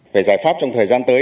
về giải pháp trong thời gian tới